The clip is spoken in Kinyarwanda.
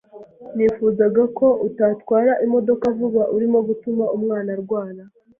Nifuzaga ko utatwara imodoka vuba. Urimo gutuma umwana arwara!